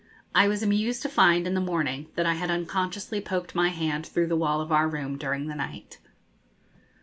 I was amused to find, in the morning, that I had unconsciously poked my hand through the wall of our room during the night.